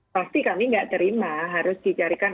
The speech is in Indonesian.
pasti kami nggak terima harus dicarikan